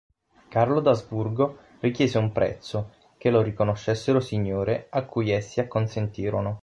Carlo d'Asburgo richiese un prezzo: che lo riconoscessero Signore, a cui essi acconsentirono.